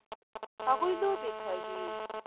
هغوی لوبې کوي